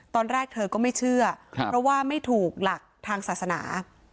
ตอนแรกเธอก็ไม่เชื่อเพราะว่าไม่ถูกหลักทางศาสนา